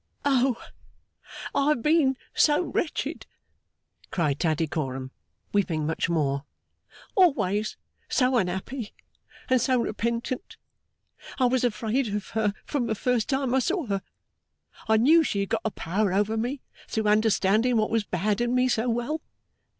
'Oh! I have been so wretched,' cried Tattycoram, weeping much more, 'always so unhappy, and so repentant! I was afraid of her from the first time I saw her. I knew she had got a power over me through understanding what was bad in me so well.